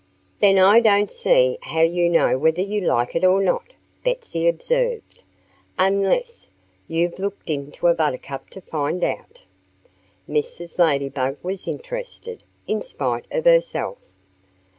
"Then I don't see how you know whether you like it or not," Betsy observed, "unless you've looked into a buttercup to find out." Mrs. Ladybug was interested, in spite of herself.